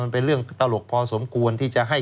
มันเป็นเรื่องตลกพอสมควรที่จะให้